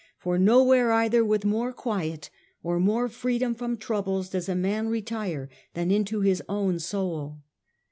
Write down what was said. For nowhere either with more quiet or more freedom from troubles does a man retire than into his own soul.